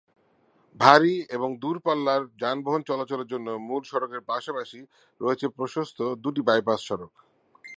ভারী এবং দূর পাল্লার যানবাহন চলাচলের জন্য মূল সড়কের পাশাপাশি রয়েছে প্রশস্ত দুটি বাইপাস সড়ক।